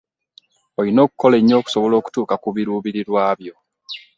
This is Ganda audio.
Olina okukola ennyo okusobola okutuuka ku birubirirwa byo.